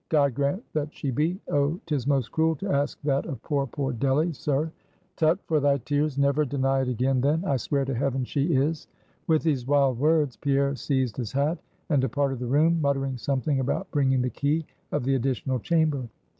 "God grant that she be Oh, 'tis most cruel to ask that of poor, poor Delly, sir!" "Tut for thy tears! Never deny it again then! I swear to heaven, she is!" With these wild words, Pierre seized his hat, and departed the room, muttering something about bringing the key of the additional chamber.